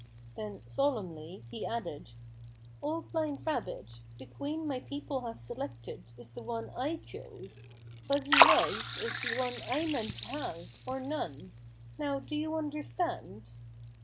Then solemnly, he added: " Old Blind Rabbit, the queen my people have selected is the one I Bumper Makes Fuzzy Wuzz Queen 111 chose. Fuzzy Wuzz is the one I meant to have, or none. Now do you understand?